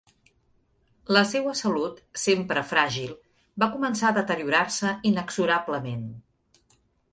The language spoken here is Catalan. La seua salut, sempre fràgil, va començar a deteriorar-se inexorablement.